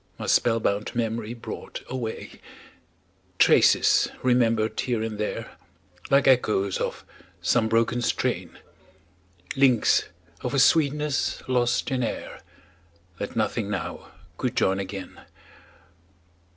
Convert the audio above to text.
My spell bound memory brought away; Traces, remembered here and there, Like echoes of some broken strain; Links of a sweetness lost in air, That nothing now could join again.